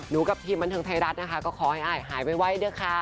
กับทีมบันเทิงไทยรัฐนะคะก็ขอให้อายหายไวด้วยค่ะ